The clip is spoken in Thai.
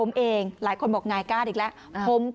สองสามีภรรยาคู่นี้มีอาชีพ